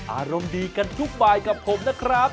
อารมณ์ดีกันทุกบายกับผมนะครับ